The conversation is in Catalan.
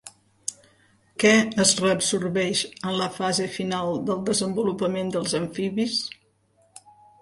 Què es reabsorbeix en la fase final del desenvolupament dels amfibis?